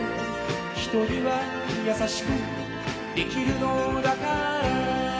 「人には優しくできるのだから」